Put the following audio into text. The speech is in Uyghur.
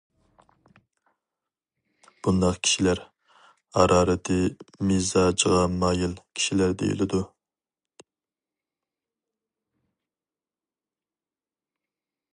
بۇنداق كىشىلەر «ھارارىتى مىزاجغا مايىل» كىشىلەر دېيىلىدۇ.